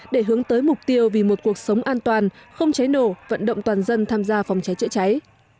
để hướng tới mục tiêu vì một cuộc sống an toàn không cháy nổ vận động toàn dân tham gia phòng cháy chữa cháy